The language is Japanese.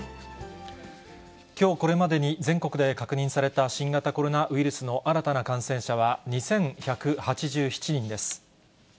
きょうこれまでに全国で確認された新型コロナウイルスの新たな感染者は２１８７人です。